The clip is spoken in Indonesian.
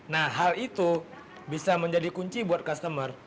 nah hal itu bisa menjadi kunci buat customer